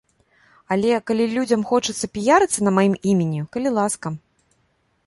Але, калі людзям хочацца піярыцца на маім імені, калі ласка.